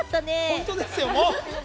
本当ですよ、もう。